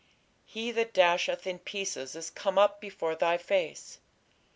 He that dasheth in pieces is come up before thy face....